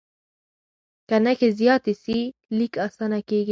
که نښې زیاتې سي، لیک اسانه کېږي.